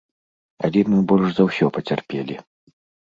Але мы больш за ўсё пацярпелі.